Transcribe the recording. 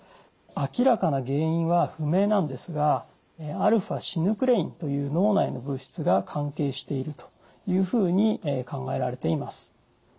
明らかな原因は不明なんですがαシヌクレインという脳内の物質が関係しているというふうに考えられています。